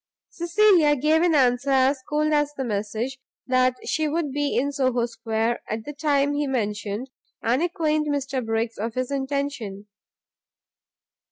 Cecilia gave an answer as cold as the message; that she would be in Soho Square at the time he mentioned, and acquaint Mr Briggs of his intention.